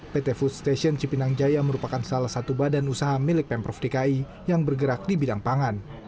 pt food station cipinang jaya merupakan salah satu badan usaha milik pemprov dki yang bergerak di bidang pangan